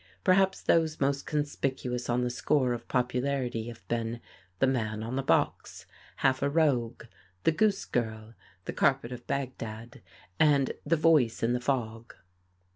Perhaps those most conspicuous on the score of popularity have been "The Man on the Box," "Half a Rogue," "The Goose Girl," "The Carpet of Bagdad," and "The Voice in the Fog."